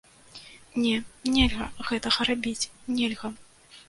Не, нельга гэтага рабіць, нельга.